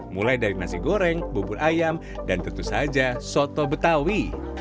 mulai dari nasi goreng bubur ayam dan tentu saja soto betawi